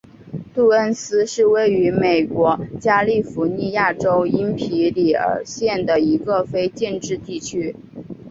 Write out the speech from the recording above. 杜恩斯是位于美国加利福尼亚州因皮里尔县的一个非建制地区。